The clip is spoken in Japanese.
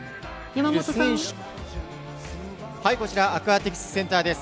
こちら、アクアティクスセンターです。